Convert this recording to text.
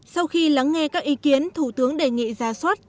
sau khi lắng nghe các ý kiến thủ tướng đề nghị ra soát